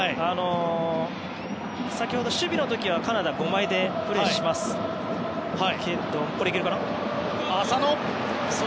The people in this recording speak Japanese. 先ほど守備の時はカナダ、５枚でプレーしていましたけど。